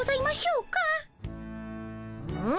うん？